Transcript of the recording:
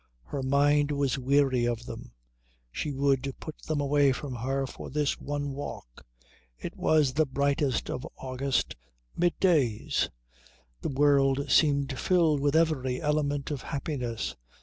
Her mind was weary of them. She would put them away from her for this one walk. It was the brightest of August middays. The world seemed filled with every element of happiness.